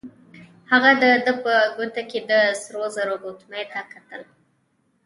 هغه د ده په ګوته کې د سرو زرو ګوتمۍ ته کتل.